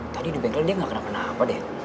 tadi di bengkel dia gak kena kena apa deh